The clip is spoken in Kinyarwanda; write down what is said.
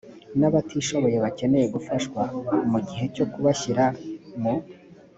n abatishoboye bakeneye gufashwa mu gihe cyo kubashyira mu